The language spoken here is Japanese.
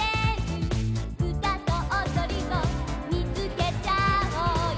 「うたとおどりを見つけちゃおうよ」